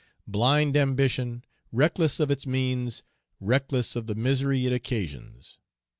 Blind ambition, reckless of its means, reckless of the misery it occasions!